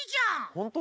ほんとう？